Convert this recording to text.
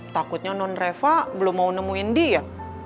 takutnya non reva belum mau nemuin dia